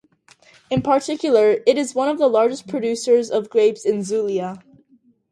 In particular it is one of the largest producers of grapes in Zulia.